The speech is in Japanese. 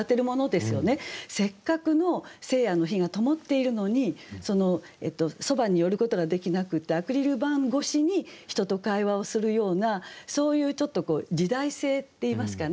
せっかくの聖夜の灯がともっているのにそばに寄ることができなくてアクリル板越しに人と会話をするようなそういうちょっとこう時代性っていいますかね。